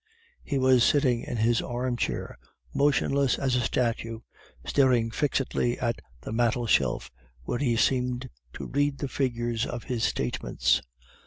He was sitting in his armchair, motionless as a statue, staring fixedly at the mantel shelf, where he seemed to read the figures of his statements.